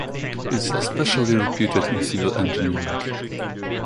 It is especially reputed in civil engineering.